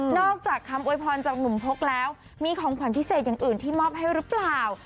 อกจากคำโวยพรจากหนุ่มพกแล้วมีของขวัญพิเศษอย่างอื่นที่มอบให้หรือเปล่า